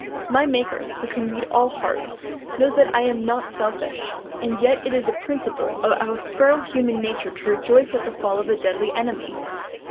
My Maker, who can read all hearts, knows that I am not selfish; and yet it is a principle of our frail human nature to rejoice at the fall of a deadly enemy!